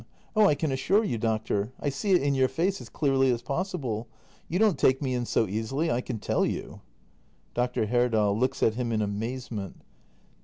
Oh, I can assure you, doctor, I see it in your face as clearly as possible. You don't take me in so easily, I can tell you. Dr. Herdal. [Looks at him in amazement.